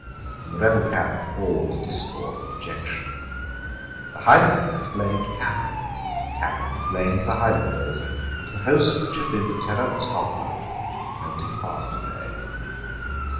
In the rebel camp all was discord and dejection. The Highlanders blamed Cannon: Cannon blamed the Highlanders; and the host which had been the terror of Scotland melted fast away.